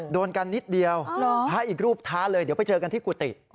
โดนกันนิดเดียวพระอีกรูปท้าเลยเดี๋ยวไปเจอกันที่กุฏิ